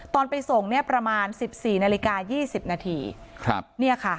ตอนไปส่งเนี่ยประมาณสิบสี่นาฬิกายี่สิบนาทีครับเนี่ยค่ะ